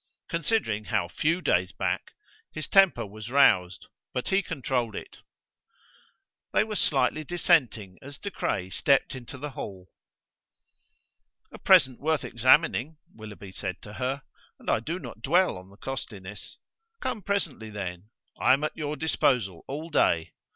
Considering how few days back, his temper was roused, but he controlled it. They were slightly dissenting as De Craye stepped into the hall. "A present worth examining," Willoughby said to her: "and I do not dwell on the costliness. Come presently, then. I am at your disposal all day.